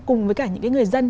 cùng với cả những cái người dân